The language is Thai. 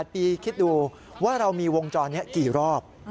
๘ปีคิดดูว่าเรามีวงจรนี้กี่รอบ